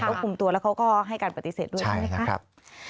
เขาก็คุมตัวแล้วก็ให้การปฏิเสธด้วยนะครับ